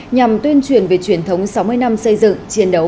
nhằm tuyên truyền về truyền thống sáu mươi năm xây dựng chiến đấu